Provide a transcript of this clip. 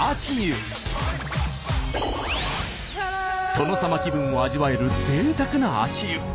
殿様気分を味わえるぜいたくな足湯。